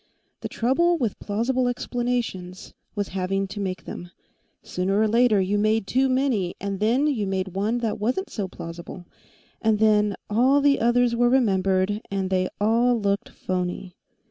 The trouble with plausible explanations was having to make them. Sooner or later, you made too many, and then you made one that wasn't so plausible, and then all the others were remembered, and they all looked phony.